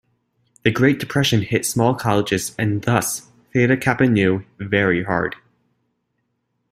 The Great Depression hit small colleges, and thus Theta Kappa Nu, very hard.